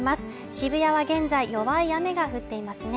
渋谷は現在弱い雨が降っていますね。